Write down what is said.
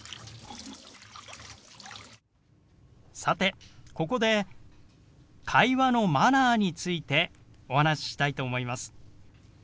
さてここで会話のマナーについてお話ししたいと思います。